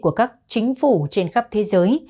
của các chính phủ trên khắp thế giới